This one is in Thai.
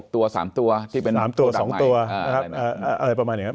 ๖ตัว๓ตัวที่เป็น๓ตัว๒ตัวอะไรประมาณอย่างนั้น